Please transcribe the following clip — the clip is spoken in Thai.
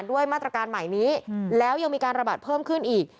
ด้วยมาตรการใหม่นี้แล้วยังมีการระบาดเพิ่มขึ้นอีก